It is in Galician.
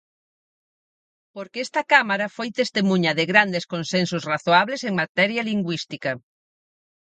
Porque esta cámara foi testemuña de grandes consensos razoables en materia lingüística.